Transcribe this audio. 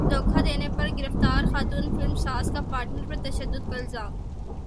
دھوکا دینے پر گرفتار خاتون فلم ساز کا پارٹنر پر تشدد کا الزام